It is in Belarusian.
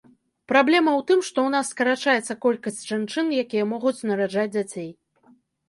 Праблема ў тым, што ў нас скарачаецца колькасць жанчын, якія могуць нараджаць дзяцей.